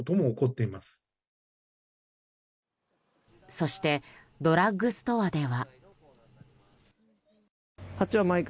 そしてドラッグストアでは。